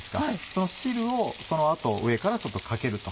その汁をその後上からちょっとかけると。